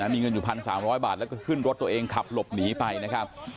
มีเงินอยู่๑๓๐๐บาทแล้วก็ขึ้นรถตัวเองขับหลบหนีไปนะครับ